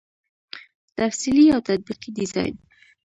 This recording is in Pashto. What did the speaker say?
تفصیلي او تطبیقي ډيزاين